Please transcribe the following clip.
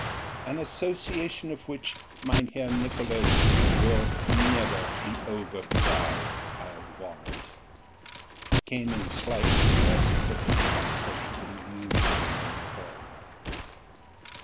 "An association of which Mynheer Nicolaes will never be over proud, I'll warrant," came in slightly less flippant accents than usual from the foreigner.